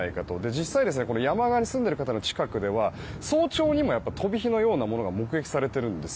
実際、山側に住んでいる方の近くでは早朝にも飛び火のようなものが目撃されているんです。